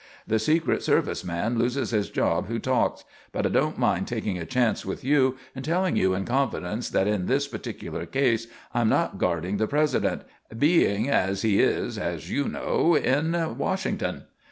The secret service man loses his job who talks; but I don't mind taking a chance with you and telling you in confidence that in this particular case I'm not guarding the president; being as he is, as you know, in Washington."